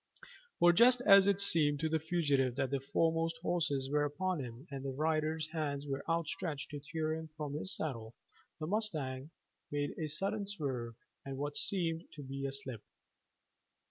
For just as it seemed to the fugitive that the foremost horses were upon him and their riders' hands were outstretched to tear him from his saddle, the mustang made a sudden swerve and what seemed to be a slip.